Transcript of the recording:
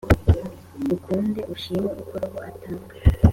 ukunde ushime uko roho atanga